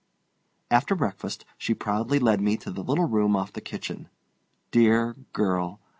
After breakfast she proudly led me to the little room off the kitchen. Dear girl!